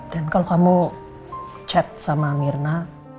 dan kalau kamu chat sama mirna